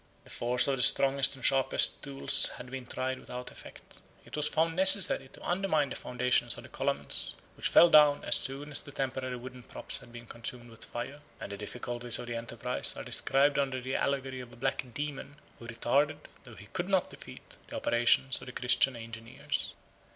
The force of the strongest and sharpest tools had been tried without effect. It was found necessary to undermine the foundations of the columns, which fell down as soon as the temporary wooden props had been consumed with fire; and the difficulties of the enterprise are described under the allegory of a black daemon, who retarded, though he could not defeat, the operations of the Christian engineers.